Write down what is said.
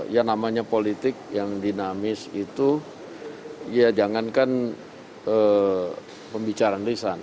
yang namanya politik yang dinamis itu ya jangankan pembicaraan lisan